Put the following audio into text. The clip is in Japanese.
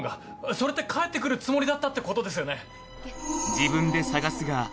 それって帰って来るつもりだったってことですよね？